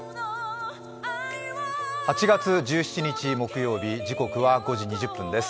８月１７日木曜日、時刻は５時２０分です。